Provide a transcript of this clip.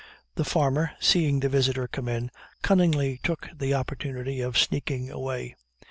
The farmer, seeing the visitor come in, cunningly took the opportunity of sneaking away.